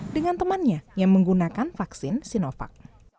dengan temannya yang menggunakan vaksin sinovac